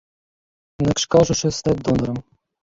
Інакш кажучы, стаць донарам.